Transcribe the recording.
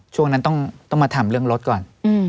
ช่วงนั้นต้องมาทำเรื่องรถก่อน